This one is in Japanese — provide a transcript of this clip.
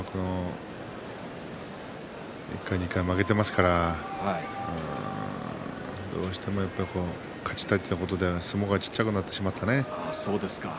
１回２回負けていますからどうしても、やっぱり勝ちたいということで相撲が小っちゃくなってしまいましたね。